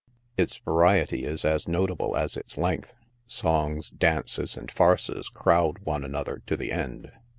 Its variety is as notable as its length ; songs, dances and farces crowd one another to the end.